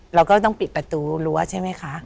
เราก็ต้องปิดประตูรั้วใช่ไหมคะ